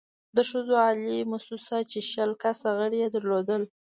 د ښځو عالي مؤسسه چې شل کسه غړې يې درلودل،